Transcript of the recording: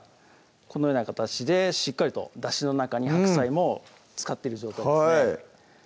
このような形でしっかりとだしの中に白菜もつかってる状態ですね